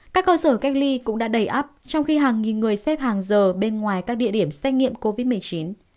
các cơ sở cách ly cũng đã đầy ấp trong khi hàng nghìn người xếp hàng giờ bên ngoài các địa điểm xét nghiệm covid một mươi chín